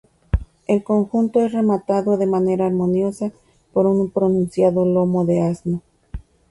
El conjunto es rematado de manera armoniosa por un pronunciado lomo de asno.